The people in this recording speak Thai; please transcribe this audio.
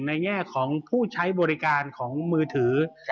แง่ของผู้ใช้บริการของมือถือ